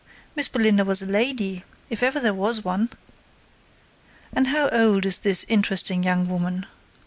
Miss Belinda was a lady, if ever there was one." "And how old is this interesting young woman?"